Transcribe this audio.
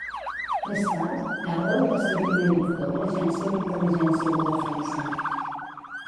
Més tard, Carroll va ser el primer director de l'Agència d'Intel·ligència de Defensa.